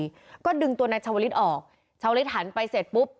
เพื่อเธอพอดีก็ดึงตัวนัดชาวลิศออกชาวลิศหันไปเสร็จปุ๊บ